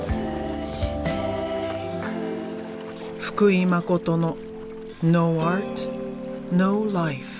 福井誠のｎｏａｒｔ，ｎｏｌｉｆｅ。